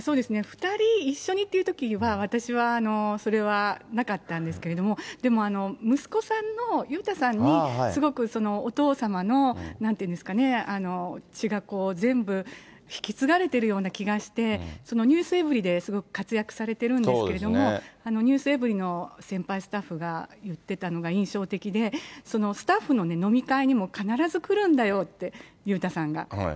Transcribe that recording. ２人一緒にっていうときは、私はそれはなかったんですけれども、でも息子さんの裕太さんにすごくお父様のなんていうんですかね、血が全部引き継がれているような気がして、ｎｅｗｓｅｖｅｒｙ．ですごく活躍されてるんですけれども、ｎｅｗｓｅｖｅｒｙ．の先輩スタッフが言ってたのが印象的で、スタッフの飲み会にも必ず来るんだよって、裕太さんが。